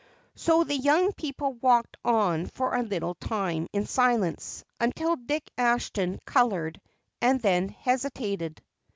So the young people walked on for a little time in silence, until Dick Ashton colored and then hesitated.